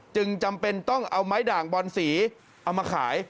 จำเป็นต้องเอาไม้ด่างบอนสีเอามาขาย